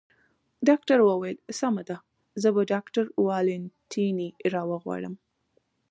ډاکټر وویل: سمه ده، زه به ډاکټر والنتیني را وغواړم.